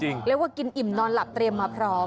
เรียกว่ากินอิ่มนอนหลับเตรียมมาพร้อม